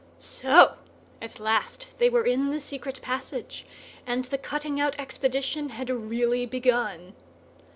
So at last they were in the secret passage, and the cutting out expedition had really begun!